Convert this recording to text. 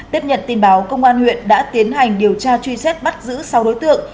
tiếp nhận tin báo công an huyện đã tiến hành điều tra truy xét bắt giữ sáu đối tượng